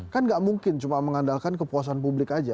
kan gak mungkin cuma mengandalkan kepuasan publik aja